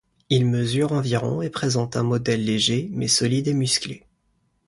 Il mesure environ et présente un modèle léger, mais solide et musclé.